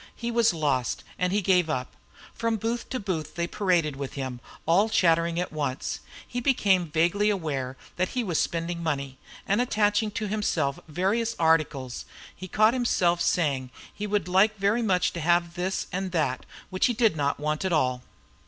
He was lost, and he gave up. From booth to booth they paraded with him, all chattering at once. He became vaguely aware that he was spending money, and attaching to himself various articles; he caught himself saying he would like very much to have this and that, which he did not want at all.